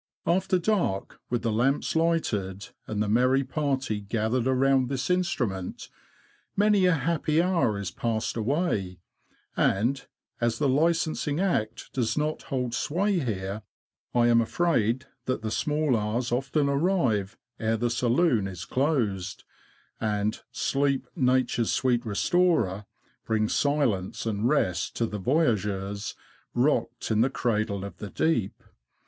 After dark, with the lamps lighted, and the merry party gathered around this instrument, many a happy hour is passed away ; and, as the Licensing Act does not hold sway here, I am afraid that the small hours often arrive ere the saloon is closed, and " sleep. Nature's sweet restorer," brings silence and rest to the voyageurs '' rocked in the cradle of the deep."